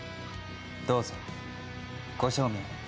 どうぞ、ご賞味を。